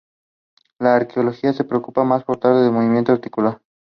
La arqueología se preocupó más tarde por el movimiento anticuario.